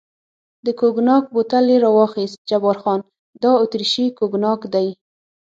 د کوګناک بوتل یې را واخیست، جبار خان: دا اتریشي کوګناک دی.